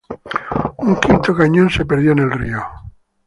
Un quinto cañón se perdió en el río.